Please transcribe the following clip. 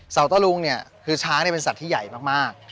เสาร์ตระหลุงคือช้างเป็นสัตว์ใหญ่มาก